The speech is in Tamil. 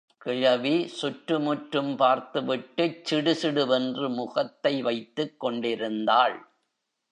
கிழவி சுற்று முற்றும் பார்த்துவிட்டுச் சிடுசிடு வென்று முகத்தை வைத்துக் கொண்டிருந்தாள்.